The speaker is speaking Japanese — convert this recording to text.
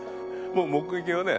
もう目撃はね